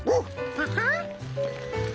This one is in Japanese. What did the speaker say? ハハッ。